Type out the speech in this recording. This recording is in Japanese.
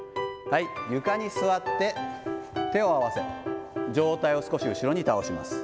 床に座って、手を合わせ、上体を少し後ろに倒します。